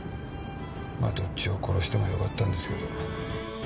まあどっちを殺してもよかったんですけど。